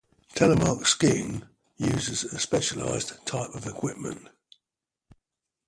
Telemark skiing uses a specialized type of equipment.